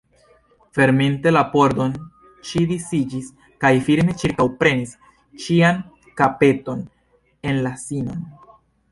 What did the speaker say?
Ferminte la pordon, ŝi sidiĝis kaj firme ĉirkaŭprenis ŝian kapeton en la sinon.